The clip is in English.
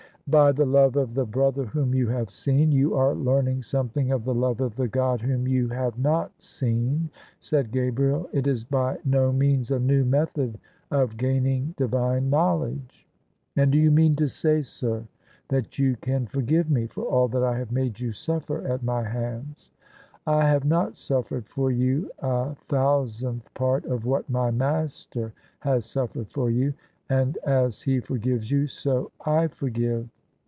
" By the love of the brother whom you have seen, you are learning something of the love of the God Whom you have not seen," said Gabriel :" it is by no means a new method of gaining divine knowledge." " And do you mean to say, sir, that you can forgive me for all that I have made you suffer at my hands? "" I have not suffered for you a thousandth part of what my Master has suffered for you : and as He forgives you, so I forgive."